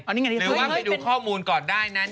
หรือว่าไปดูข้อมูลก่อนได้นะ